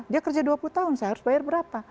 dia kerja dua puluh tahun saya harus bayar berapa